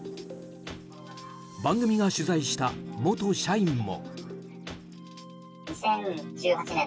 番組が取材した元社員も。